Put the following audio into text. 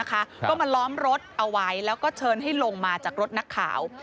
ก็มาล้อมรถเอาไว้แล้วก็เชิญให้ลงมาจากรถนักข่าว